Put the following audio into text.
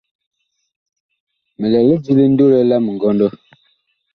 Mi lɛ lidi ndolɛ la mingɔndɔ.